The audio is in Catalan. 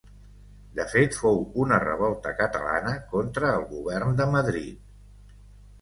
De fet fou una revolta catalana contra el govern de Madrid.